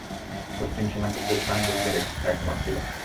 পশ্চিম সীমান্তে তুরফান গোত্রের এক মঠ ছিল।